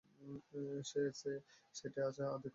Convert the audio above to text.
সেইটে আজ আদায় করে তবে যাব।